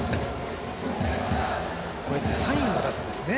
こういったサインを出すんですね。